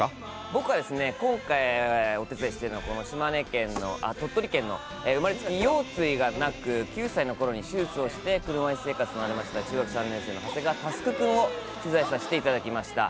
僕はですね、今回、お手伝いしているのは、この鳥取県の生まれつき腰椎がなく、９歳のころに手術をして、車いす生活となりました中学３年生のはせがわたすく君を取材させていただきました。